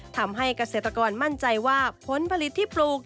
ทำให้เกษตรกรมั่นใจว่าผลผลิตที่ปลูก